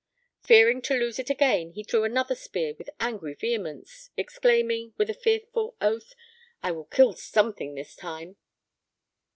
Fearing to lose it again, he threw another spear with angry vehemence, exclaiming, with a fearful oath, 'I will kill something this time!'